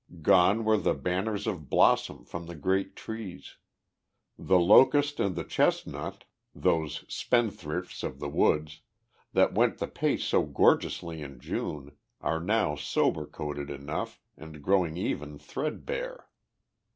Gone were the banners of blossom from the great trees. The locust and the chestnut, those spendthrifts of the woods, that went the pace so gorgeously in June, are now sober coated enough, and growing even threadbare.